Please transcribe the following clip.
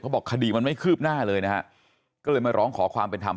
บอกคดีมันไม่คืบหน้าเลยนะฮะก็เลยมาร้องขอความเป็นธรรม